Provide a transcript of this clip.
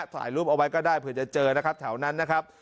ถ่ายรูปเอาไว้ก็ได้เผื่อจะเจอนะครับแถวนั้นนะครับ